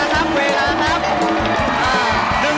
จะเอาแบบไหน